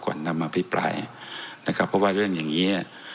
นำมาพิปรายนะครับเพราะว่าเรื่องอย่างเนี้ย